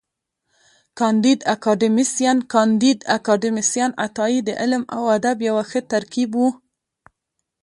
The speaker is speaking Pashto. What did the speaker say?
کانديد اکاډميسن کانديد اکاډميسن عطایي د علم او ادب یو ښه ترکیب و.